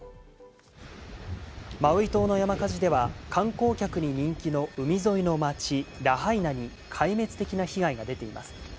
マウイ島の山火事では、観光客に人気の海沿いの街・ラハイナに壊滅的な被害が出ています。